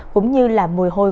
cũng như là mùi hôi